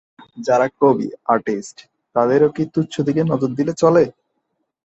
যারা কবি, আর্টিস্ট, তাদের কি ও তুচ্ছদিকে নজর দিলে চলে?